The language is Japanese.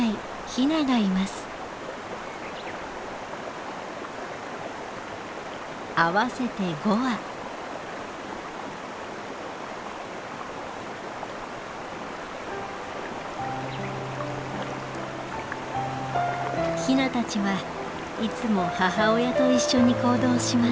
ヒナたちはいつも母親と一緒に行動します。